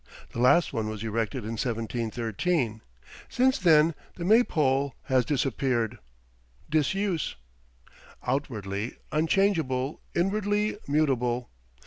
The last one was erected in 1713. Since then the may pole has disappeared. Disuse. Outwardly, unchangeable; inwardly, mutable.